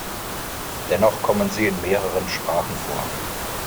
Dennoch kommt sie in mehreren Sprachen vor.